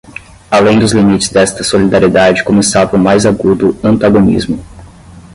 além dos limites desta solidariedade começava o mais agudo antagonismo